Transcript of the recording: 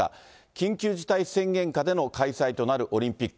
緊急事態宣言下での開催となるオリンピック。